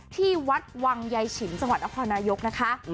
ที่วัดวังยายฉิมจังหวัดนครนายกนะคะ